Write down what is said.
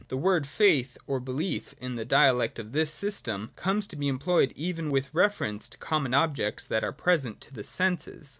The word faith or belief, in the dialect of this system, comes to be employed even with reference to common objects that are present to the senses.